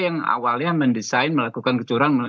yang awalnya mendesain melakukan kecurangan